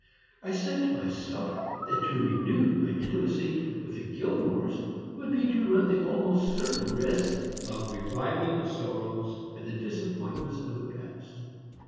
I said to myself that to renew my intimacy with the Gilmores would be to run the almost certain risk of reviving the sorrows and the disappointments of the past.